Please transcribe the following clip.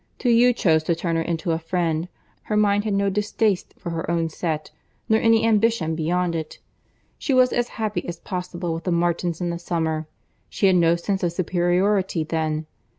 Till you chose to turn her into a friend, her mind had no distaste for her own set, nor any ambition beyond it. She was as happy as possible with the Martins in the summer. She had no sense of superiority then.